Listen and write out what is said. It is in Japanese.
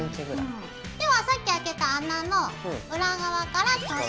ではさっき開けた穴の裏側から通します。